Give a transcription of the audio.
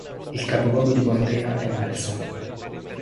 Il capoluogo di contea è Nelson.